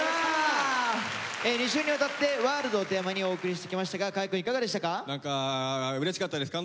２週にわたって「ＷＯＲＬＤ」をテーマにお送りしてきましたが河合くんいかがでしたか？